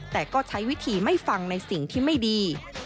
แต่ก็ใช้วิธีไม่ฟังในสิ่งที่ไม่ดี